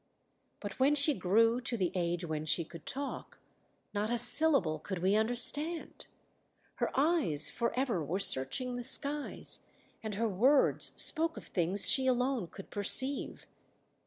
"But when she grew to the age when she could talk, not a syllable could we understand. Her eyes for ever were searching the skies, and her words spoke of things she alone could perceive.